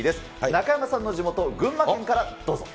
中山さんの地元、群馬県からどうぞ。